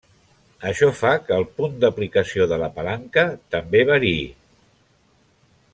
Això fa que el punt d'aplicació de la palanca també varie.